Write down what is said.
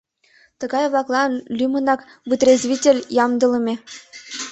Тыгай-влаклан лӱмынак вытрезвитель ямдылыме.